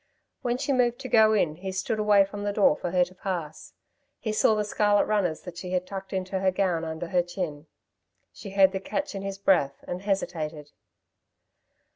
When she moved to go in, he stood away from the door for her to pass. He saw the scarlet runners that she had tucked into her gown under her chin. She heard the catch in his breath, and hesitated.